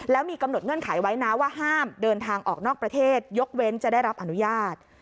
แล้วมีกำหนดเงื่อนไขไว้นะว่าห้ามเดินทางออกนอกประเทศยกเว้นจะได้รับอนุญาต